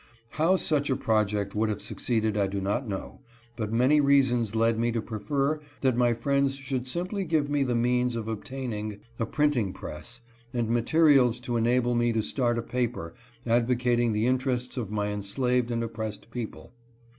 How such a project would have succeeded I do not know, but many reasons led me to prefer that my friends should simply give me the means of obtaining a printing press and ma terials to enable me to start a paper advocating the interests of my enslaved and oppressed people.